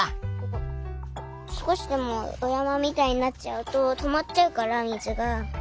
すこしでもおやまみたいになっちゃうととまっちゃうから水が。